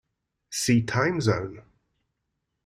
See Time zone.